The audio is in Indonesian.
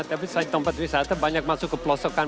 tapi selain tempat wisata banyak masuk ke pelosokan